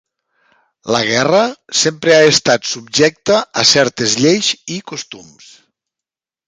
La guerra sempre ha estat subjecta a certes lleis i costums.